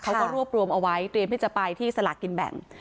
เขาก็รวบรวมเอาไว้เตรียมที่จะไปที่สลากกินแบ่ง